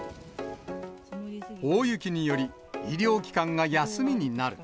大雪により、医療機関が休みになる。